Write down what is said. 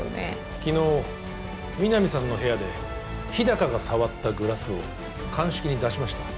昨日皆実さんの部屋で日高が触ったグラスを鑑識に出しました